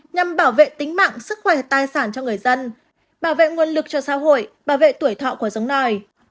nhằm bảo vệ tính mạng sức khỏe tài sản cho người dân bảo vệ nguồn lực cho xã hội bảo vệ tuổi thọ của giống nòi